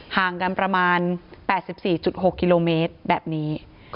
ห่างกันประมาณ๘๔๖กิโลเมตรแบบนี้